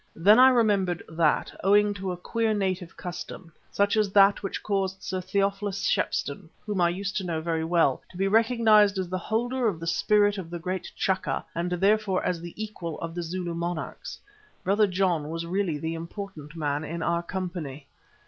Then I remembered that, owing to a queer native custom, such as that which caused Sir Theophilus Shepstone, whom I used to know very well, to be recognised as the holder of the spirit of the great Chaka and therefore as the equal of the Zulu monarchs, Brother John was the really important man in our company.